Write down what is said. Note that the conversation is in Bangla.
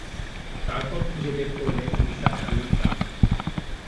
তারপর খুঁজে বের করলেন নিসার আলির বাড়ি।